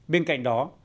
bên cạnh đó